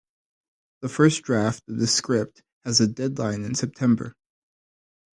The first draft of the script has a deadline in September.